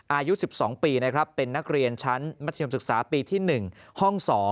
อายุ๑๒ปีนะครับเป็นนักเรียนชั้นมัธยมศึกษาปีที่๑ห้อง๒